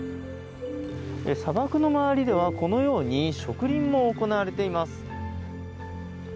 砂漠の周りではこのように植林も行われています。